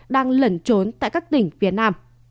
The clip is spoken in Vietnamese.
đang lẩn trốn tại các tỉnh việt nam